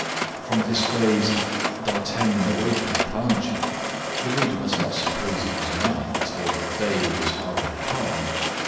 From this phrase, "D'Artagnan awakened Planchet," the reader must not suppose it was night, or that day was hardly come.